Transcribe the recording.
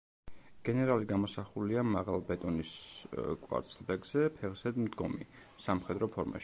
გენერალი გამოსახულია მაღალ ბეტონის კვარცხლბეკზე ფეხზე მდგომი, სამხედრო ფორმაში.